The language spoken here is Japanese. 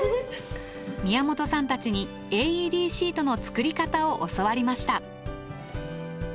宮本さんたちにＡＥＤシートの作り方を教わりました。